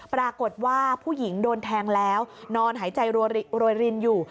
ปรากฏว่าผู้หญิงโดนแทงแล้วนอนหายใจโรยรินอยู่